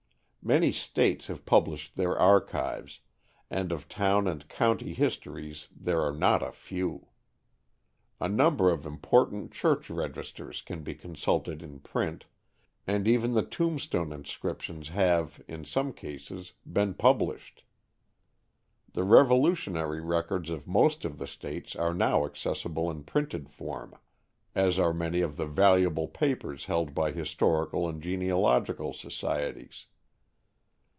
Many States have published their archives, and of town and county histories there are not a few. A number of important church registers can be consulted in print, and even the tombstone inscriptions have, in some cases, been published. The Revolutionary records of most of the States are now accessible in printed form, as are many of the valuable papers held by historical and genealogical societies.